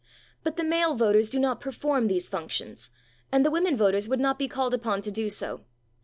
But the male voters do not perform these functions, and the women voters would not be called upon to do so.